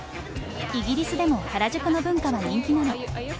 イギリスでも原宿の文化は人気なの。